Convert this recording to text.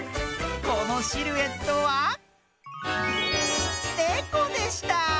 このシルエットはねこでした。